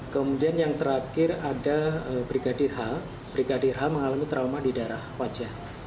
kemudian yang terakhir ada brigadir h brigadir h mengalami trauma di daerah wajah